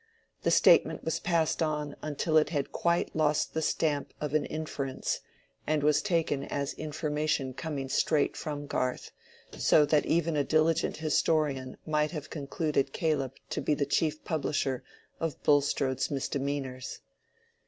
The statement was passed on until it had quite lost the stamp of an inference, and was taken as information coming straight from Garth, so that even a diligent historian might have concluded Caleb to be the chief publisher of Bulstrode's misdemeanors.